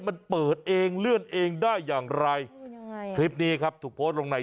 มันเปิดเองเลื่อนเองได้อย่างไรคลิปนี้ครับถูกโพสต์ลงใน